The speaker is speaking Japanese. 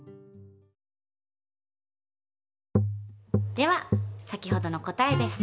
では先ほどの答えです。